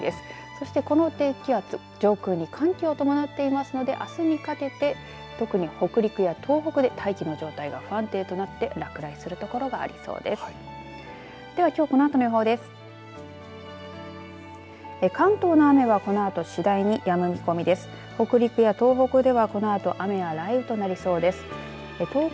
そして、この低気圧、上空に寒気を伴っていますのであすにかけて特に北陸や東北で大気の状態が不安定となって落雷する所がありそうです。